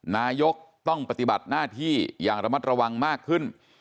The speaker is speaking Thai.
นายกต้องปฏิบัติหน้าที่อย่างระมัดระวังมากขึ้น